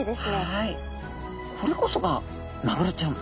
はいこれこそがマグロちゃん。